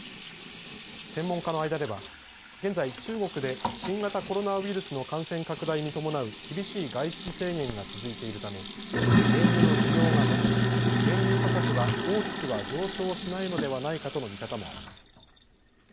専門家の間では現在、中国で新型コロナウイルスの感染拡大に伴う厳しい外出制限が続いているため原油の需要が伸びず原油価格は大きくは上昇しないのではないかとの見方もあります。